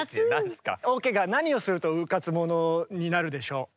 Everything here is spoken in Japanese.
オケが何をするとうかつ者になるでしょう？